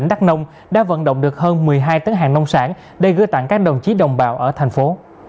hơn một mươi hai tấn hàng nông sản để gửi tặng các đồng chí đồng bào ở thành phố